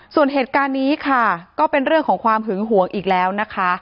ส่วนเหตุการณ์นี้ค่ะก็เป็นเรื่องของความหึงหวงอีกแล้วนะคะ